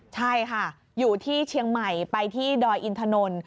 ใช่ค่ะอยู่ที่เชียงใหม่ไปที่ดอยอินทนนท์